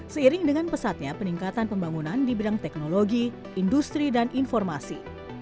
seiring dengan pesatnya peningkatan pembangunan di bidang teknologi industri dan informasi